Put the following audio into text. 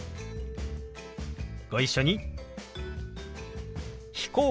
ご一緒に。